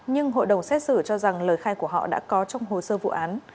nhưng hội đồng xét xử cho rằng lời khai của họ đã có trong hồ sơ vụ án